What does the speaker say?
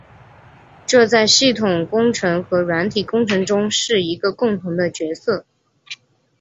这在系统工程和软体工程中是一个共同的角色。